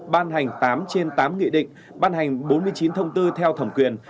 ban hành tám trên tám nghị định ban hành bốn mươi chín thông tư theo thẩm quyền